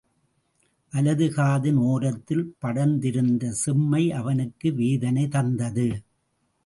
வலது காதின் ஒரத்தில் படர்ந்திருந்த செம்மை அவனுக்கு வேதனை தந்தது.